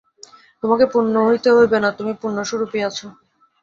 তোমাকে পূর্ণ হইতে হইবে না, তুমি পূর্ণস্বরূপই আছ।